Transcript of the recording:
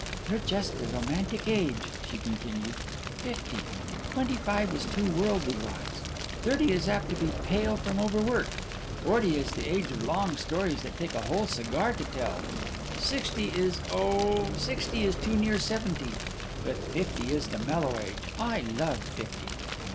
"You're just the romantic age," she continued "fifty. Twenty five is too worldly wise; thirty is apt to be pale from overwork; forty is the age of long stories that take a whole cigar to tell; sixty is oh, sixty is too near seventy; but fifty is the mellow age. I love fifty."